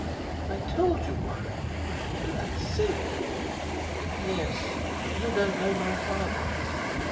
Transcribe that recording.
"I told you why." "But that's silly." "Yes; but you don't know my father!"